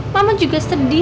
mama juga sedih